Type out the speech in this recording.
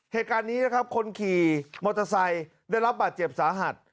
เหตุการณ์นี้นะครับคนขี่มอเตอร์ไซค์ได้รับบาดเจ็บสาหัส